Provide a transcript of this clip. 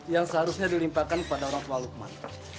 yang seharusnya dilimpahkan kepada orang tua lukman